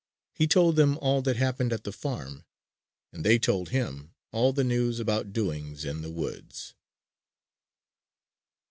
He told them all that happened at the farm; and they told him all the news about doings in the woods.